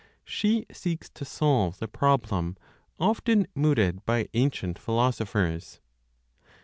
She seeks to solve the problem often mooted by ancient philosophers.